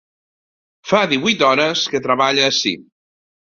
Fa díhuit hores que treballe ací.